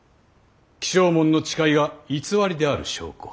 起請文の誓いが偽りである証拠。